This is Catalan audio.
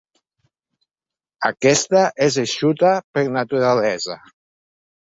Aquesta és eixuta per naturalesa.